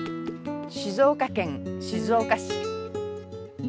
静岡県静岡市。